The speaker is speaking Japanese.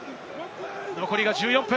残り１４分。